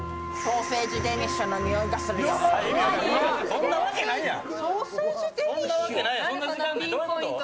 そんなわけないやん！